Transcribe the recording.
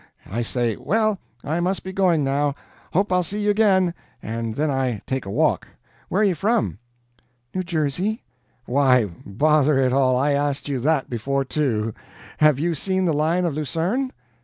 I say 'Well, I must be going now hope I'll see you again' and then I take a walk. Where you from?" "New Jersey." "Why, bother it all, I asked you THAT before, too. Have you seen the Lion of Lucerne?"